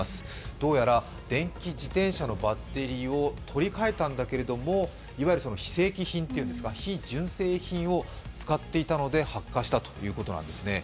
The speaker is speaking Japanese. どうやら電気自転車のバッテリーを取り替えたんだけれどもいわゆる非正規品、非純正品を使っていたので発火したということなんですね。